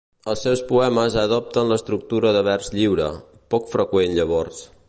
Els seus poemes adopten l'estructura de vers lliure, poc freqüent llavors.